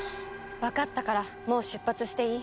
わかったからもう出発していい？